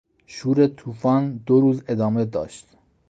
شور توفان دو روز ادامه داشت.